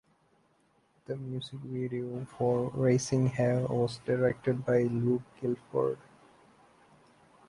The music video for "Raising Hell" was directed by Luke Gilford.